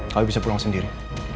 kau bisa pulang sendiri